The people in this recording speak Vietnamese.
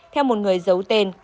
theo một người giấu tên